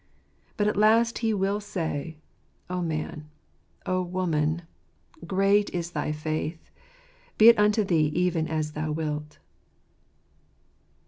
But at last He will say, "O man, O woman, great is thy faith : be it unto thee even as thou wilt."